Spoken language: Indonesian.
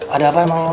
ada apa mau